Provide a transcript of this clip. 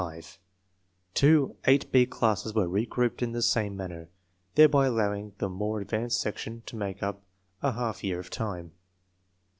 5. Two 8 B classes were re grouped in the same manner, thereby allowing the more advanced section to make up a half year of time.